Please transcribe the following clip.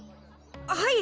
はい。